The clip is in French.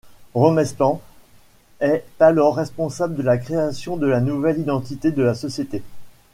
Romestan est alors responsable de la création de la nouvelle identité de la société.